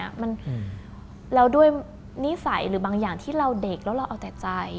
แล้วด้วยนิสัยหรือบางอย่างที่เราเด็กแล้วเราเอาแต่ใจ